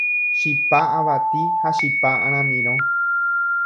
Chipa avati ha chipa aramirõ